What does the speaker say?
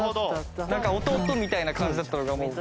なんか弟みたいな感じだったのがもう。